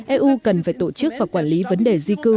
eu cần phải tổ chức và quản lý vấn đề di cư